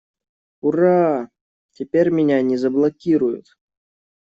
Ура! Теперь меня не заблокируют!